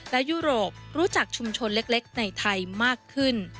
และยุโรปรู้จักชุมชนเล็กในไทยมากขึ้น